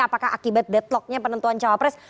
apakah akibat deadlock nya penentuan cawapres